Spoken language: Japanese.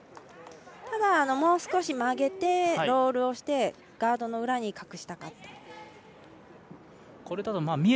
ただ、もう少し曲げてロールをしてガードの裏に隠したかったです。